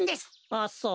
あっそう。